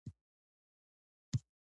په دې وخت کې غواګانې نه حلالېدلې.